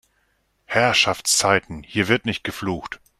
Herrschaftszeiten, hier wird nicht geflucht!